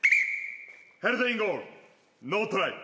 ヘルドインゴールノートライ。